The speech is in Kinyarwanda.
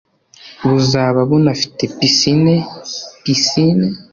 Buzaba bunafite Pisine ( Piscine)